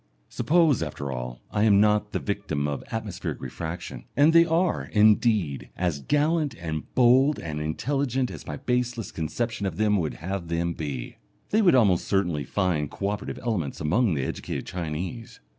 Suppose, after all, I am not the victim of atmospheric refraction, and they are, indeed, as gallant and bold and intelligent as my baseless conception of them would have them be! They would almost certainly find co operative elements among the educated Chinese....